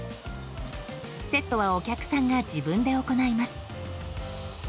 セットはお客さんが自分で行います。